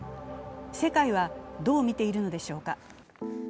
世界はどう見ているのでしょうか。